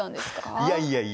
いやいやいや。